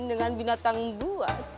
dengan binatang buas